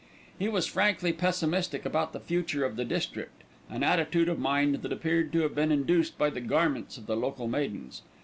He was frankly pessimistic about the future of the district, an attitude of mind that appeared to have been induced by the garments of the local maidens.